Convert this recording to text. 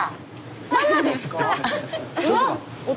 ママですか？